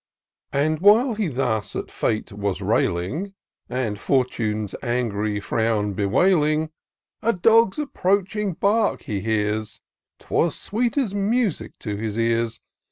But while he thus at Fate was railing. And Fortune's angry frown bewailing, A dog's approaching bark he hears ; 'Twas sweet as music to his ears.